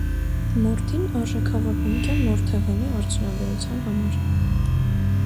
Մորթին արժեքավոր հումք է մորթեղենի արդյունաբերության համար։